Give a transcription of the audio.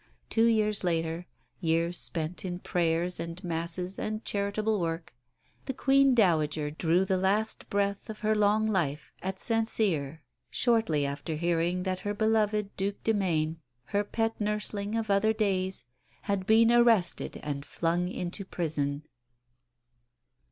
Two years later years spent in prayers and masses and charitable work the "Queen Dowager" drew the last breath of her long life at St Cyr, shortly after hearing that her beloved Due de Maine, her pet nursling of other days, had been arrested and flung into prison.